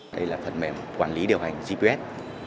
đây là phần mềm quản lý điều hành gps